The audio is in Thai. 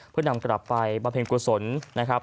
เพื่อนำกลับไปบำเพ็ญกุศลนะครับ